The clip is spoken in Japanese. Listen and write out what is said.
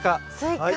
はい。